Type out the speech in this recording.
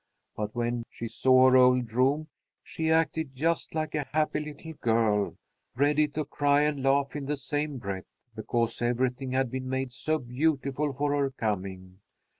But when she saw her old room, she acted just like a happy little girl, ready to cry and laugh in the same breath because everything had been made so beautiful for her coming.